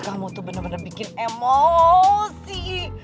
kamu tuh bener bener bikin emosi